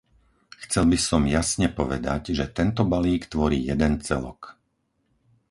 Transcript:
Chcel by som jasne povedať, že tento balík tvorí jeden celok.